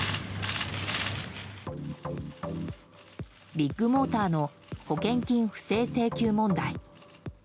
ビッグモーターの保険金不正請求問題。